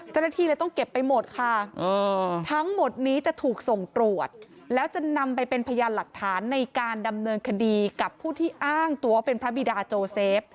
เจ้าหน้าที่เลยต้องเก็บไปหมดค่ะทั้งหมดนี้จะถูกส่งตรวจแล้วจะนำไปเป็นพยานหลักฐานในการดำเนินคดีกับผู้ที่อ้างตัวเป็นพระบิดาโจเซฟ